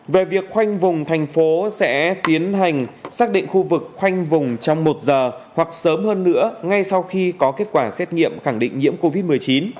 về việc khoanh vùng thành phố sẽ tiến hành xác định khu vực khoanh vùng trong một giờ hoặc sớm hơn nữa ngay sau khi có kết quả xét nghiệm khẳng định nhiễm covid một mươi chín